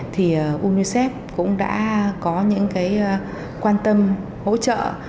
thì unicef cũng đã có những cái quan tâm hỗ trợ